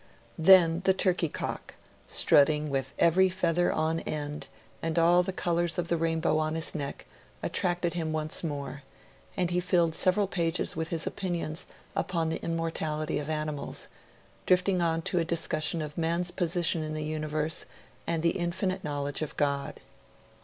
Then the turkey cock, strutting with 'every feather on end, and all the colours of the rainbow on his neck', attracted him once more, and he filled several pages with his opinions upon the immortality of animals, drifting on to a discussion of man's position in the universe, and the infinite knowledge of God.